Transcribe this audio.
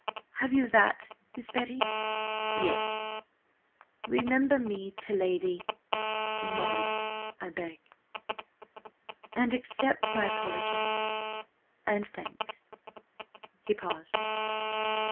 Have you that, Miss Betty?" "Yes." "'Remember me to Lady ... Molly, I beg ... and accept my apologies ... and thanks.'" He paused.